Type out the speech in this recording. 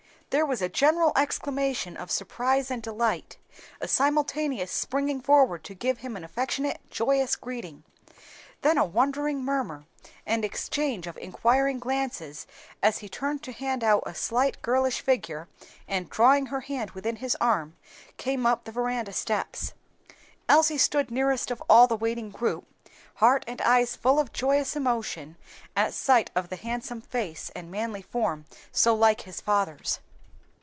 There was a general exclamation, of surprise and delight, a simultaneous springing forward to give him an affectionate, joyous greeting; then a wondering murmur and exchange of inquiring glances, as he turned to hand out a slight girlish figure, and drawing her hand within his arm, came up the veranda steps. Elsie stood nearest of all the waiting group, heart and eyes full of joyous emotion at sight of the handsome face and manly form so like his father's.